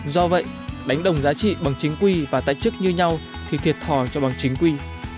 do vậy đánh đồng giá trị bằng chính quy và tại chức như nhau thì thiệt thò cho bằng chính quy